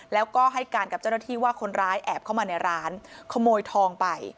แล้วก็ให้การกับเจ้าหน้าที่ว่าคนร้ายแอบเข้ามาในร้านขโมยทองไป